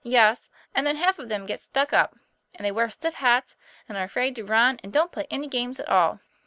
'Yes; and then half of them get stuck up. And they wear stiff hats, and are afraid to run, and don't play any games at all."